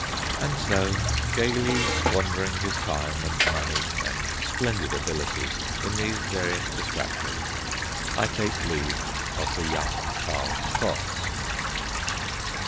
And so, gaily squandering his time and money and splendid abilities in these various distractions, I take my leave of the young Charles Fox.